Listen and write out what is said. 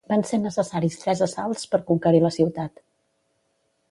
Van ser necessaris tres assalts per conquerir la ciutat.